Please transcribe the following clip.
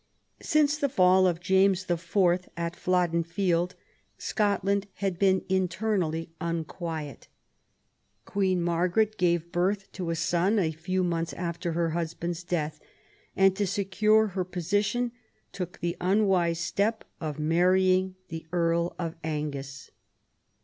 Since the fall of James IV. at Flodden Field, Scotland had been internally unquiet Queen Margaret gave birth to a son a few months after her husband's death, and, to secure her position, took the unwise step of marrying the Earl of Angus.